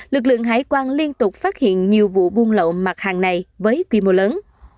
lực lượng hải quan liên tục phát hiện nhiều vụ buôn lậu mặt hàng này với quy mô lớn